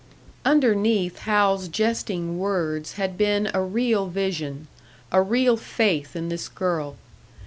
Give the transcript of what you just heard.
Underneath Hal's jesting words had been a real vision, a real faith in this girl.